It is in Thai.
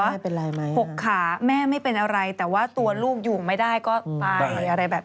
หกขาแม่ไม่เป็นอะไรแต่ว่าตัวลูกอยู่ไม่ได้ก็ไป